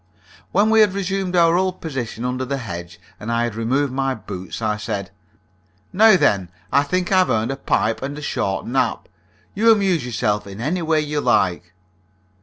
When we had resumed our old position under the hedge, and I had removed my boots, I said: "Now, then, I think I've earned a pipe and a short nap. You amuse yourself in any way you like."